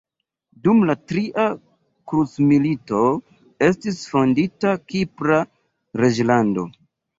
Dum la tria krucmilito estis fondita Kipra reĝlando.